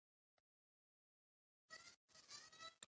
ښځې ورو وویل: شېرمامده زویه!